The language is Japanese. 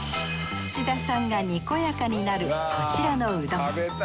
土田さんがにこやかになるこちらのうどん。